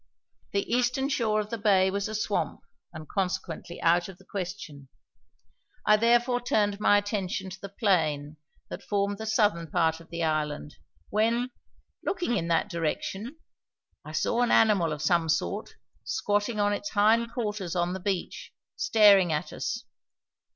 The eastern shore of the bay was a swamp, and consequently out of the question. I therefore turned my attention to the plain that formed the southern part of the island, when, looking in that direction, I saw an animal of some sort squatting on its hind quarters on the beach, staring at us.